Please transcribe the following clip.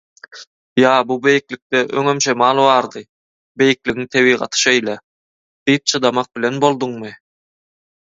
Ýa “bu beýiklikde öňem şemal bardy, beýikligiň tebigaty şeýle” diýip çydamak bilen bolduňmy?